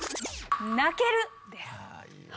「泣ける」です。